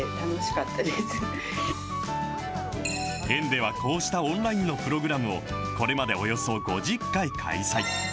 園ではこうしたオンラインのプログラムを、これまでおよそ５０回開催。